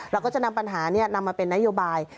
เราก็จะนำปัญหานำมาเป็นนโยบาย